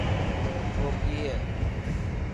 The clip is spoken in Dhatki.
او ڪي هي.